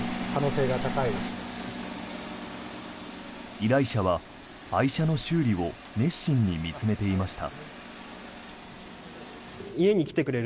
依頼者は、愛車の修理を熱心に見つめていました。